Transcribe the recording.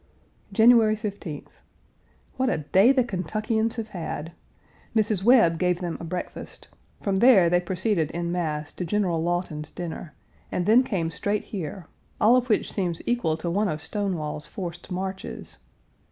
January 15th. What a day the Kentuckians have had! Mrs. Webb gave them a breakfast; from there they proceeded en masse to General Lawton's dinner, and then came straight here, all of which seems equal to one of Stonewall's forced marches.